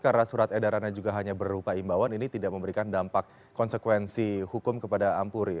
kedarannya juga hanya berupa imbauan ini tidak memberikan dampak konsekuensi hukum kepada ampuri